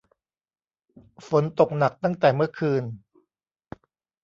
ฝนตกหนักตั้งแต่เมื่อคืน